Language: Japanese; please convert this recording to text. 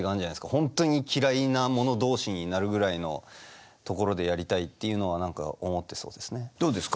本当に嫌いな者同士になるぐらいのところでやりたいっていうのは何か思ってそうですね。